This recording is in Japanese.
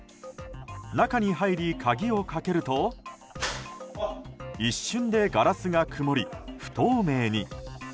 中に入り鍵をかけると一瞬でガラスが曇り不透明に。